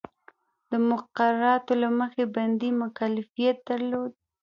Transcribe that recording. د مقرراتو له مخې بندي مکلفیت درلود.